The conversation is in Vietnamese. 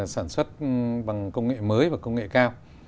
sản xuất bằng công nghệ mới và công nghệ cao